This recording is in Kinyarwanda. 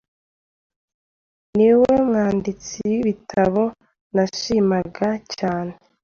Niwe mwanditsi w'ibitabo ndabishima cyane.